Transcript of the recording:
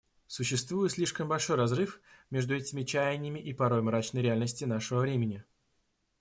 Существует слишком большой разрыв между этими чаяниями и порой мрачной реальностью нашего времени.